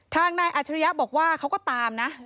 ทางนายอัจฉริยะบอกว่าเขาก็ตามนะ